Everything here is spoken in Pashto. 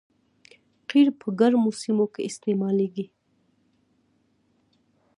قیر په ګرمو سیمو کې استعمالیږي